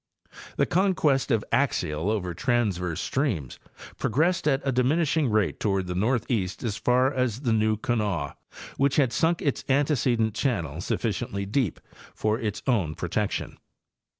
The conquest of axial over transverse streams progressed at a diminishing rate toward the northeast as far as the New _Kanawha, which had sunk its antecedent channel sufficiently deep for its own protection.